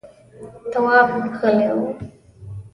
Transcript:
تواب غلی و…